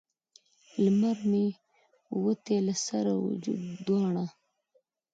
لمر مې ووتی له سر او وجود دواړه